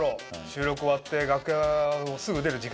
収録終わって楽屋をすぐ出る時間。